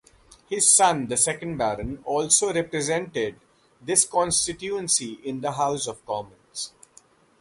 His son, the second Baron, also represented this constituency in the House of Commons.